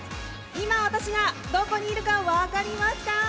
今、私がどこにいるか分かりますか？